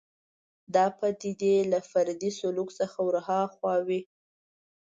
دا پدیدې له فردي سلوک څخه ورهاخوا وي